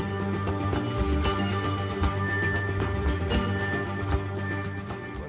pembangunan museum migas oleh pemkap bojodogoro dan pertamina